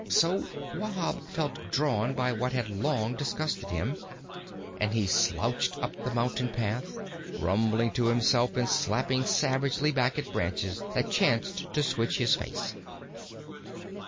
So Wahb felt drawn by what had long disgusted him, and he slouched up the mountain path, grumbling to himself and slapping savagely back at branches that chanced to switch his face.